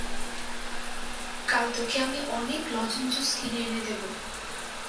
কাল তোকে আমি অনেক লজঞ্জুস কিনে এনে দেব।